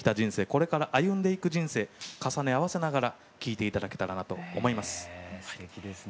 これから歩んでいく人生重ね合わせながら聴いて頂けたらなと思います。